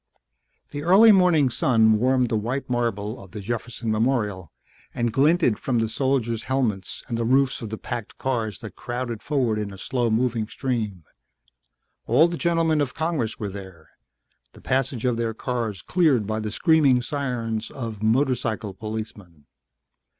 The early morning sun warmed the white marble of the Jefferson Memorial and glinted from the soldiers' helmets and the roofs of the packed cars that crowded forward in a slow moving stream. All the gentlemen of Congress were there, the passage of their cars cleared by the screaming sirens of motorcycle policemen.